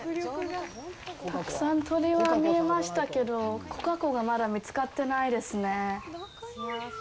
たくさん鳥は見えましたけど、コカコがまだ見つかってないですね。